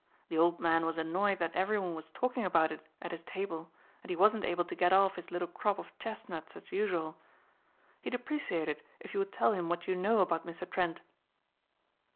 The old man was annoyed that everyone was talking about it at his table and he wasn't able to get off his little crop of chestnuts as usual. He'd appreciate it if you would tell him what you know about Mr. Trent."